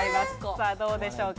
さぁどうでしょうか？